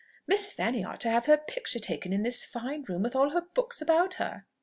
Miss Fanny ought to have her picture taken in this fine room, with all her books about her."